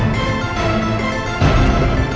jangan lupa joko tingkir